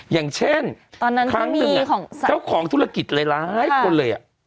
อย่างเช่นครั้งนึงเนี่ยเจ้าของธุรกิจร้ายคนเลยอะ